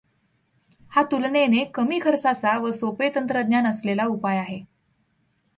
हा तुलेनेने कमी खर्चाचा व सोपे तंत्रज्ञान असलेला उपाय आहे.